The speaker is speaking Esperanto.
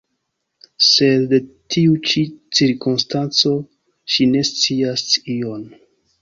Sed de tiu ĉi cirkonstanco ŝi ne scias ion.